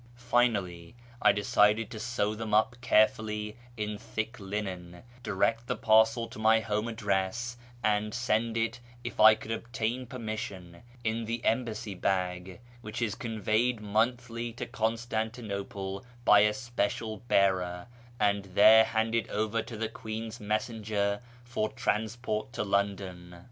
Finally I decided to sew them up carefully in thick linen, direct the parcel to my home address, and send it, if I could obtain permission, in the Embassy bag, which is conveyed monthly to Constantinople by a special bearer, and there handed over to the Queen's messenger for transport to London.